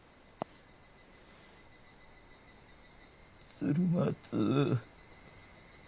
鶴松。